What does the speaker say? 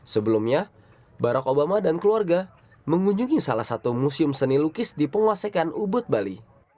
sebelumnya barack obama dan keluarga mengunjungi salah satu museum seni lukis di penguasakan ubud bali